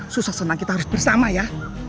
susah senang kita harus bersama ya